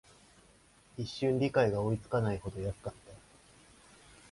一瞬、理解が追いつかないほど安かった